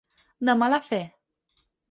De mala fe.